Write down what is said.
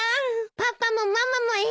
パパもママも偉いです。